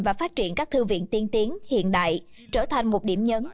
và phát triển các thư viện tiên tiến hiện đại trở thành một điểm nhấn